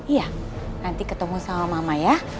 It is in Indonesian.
iya nanti ketemu sama mama ya